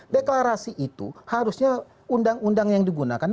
deklarasi itu harusnya undang undang yang digunakan